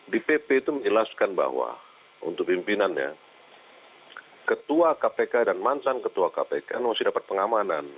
di pp itu menjelaskan bahwa untuk pimpinannya ketua kpk dan mantan ketua kpk masih dapat pengamanan